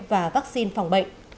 và vaccine phòng bệnh